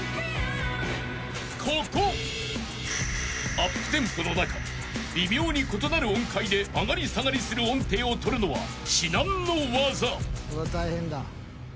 ［アップテンポの中微妙に異なる音階で上がり下がりする音程を取るのは至難の業］